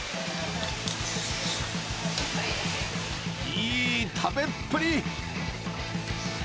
いい食べっぷり。